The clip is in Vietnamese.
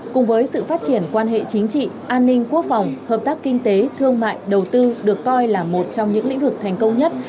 cùng với sự phát triển quan hệ chính trị an ninh quốc phòng hợp tác kinh tế thương mại đầu tư được coi là một trong những lĩnh vực thành công nhất